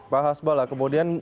pak hasbala kemudian